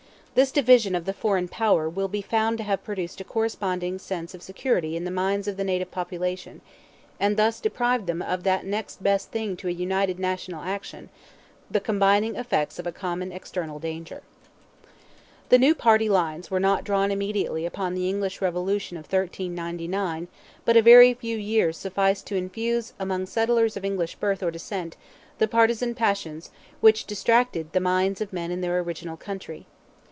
This division of the foreign power will be found to have produced a corresponding sense of security in the minds of the native population, and thus deprived them of that next best thing to a united national action, the combining effects of a common external danger. The new party lines were not drawn immediately upon the English revolution of 1399, but a very few years sufficed to infuse among settlers of English birth or descent the partizan passions which distracted the minds of men in their original country.